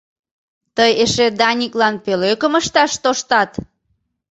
- Тый эше Даниклан пӧлекым ышташ тоштат?